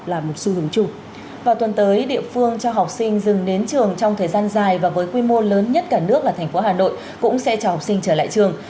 vào tuần tới địa phương cho học sinh dừng đến trường trong thời gian dài và với quy mô lớn nhất cả nước là thành phố hà nội cũng sẽ cho học sinh trở lại trường